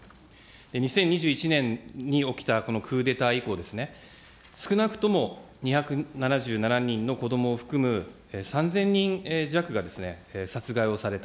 ２０２１年に起きた、このクーデター以降ですね、少なくとも２７７人の子どもを含む３０００人弱が殺害をされた。